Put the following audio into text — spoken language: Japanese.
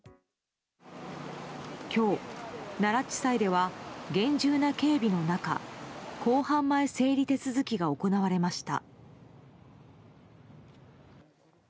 今日、奈良地裁では厳重な警備の中公判前整理手続きが行われました。